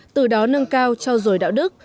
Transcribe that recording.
từ đó nâng cao cho rồi đạo đức